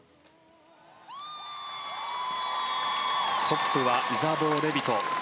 トップはイザボー・レビト。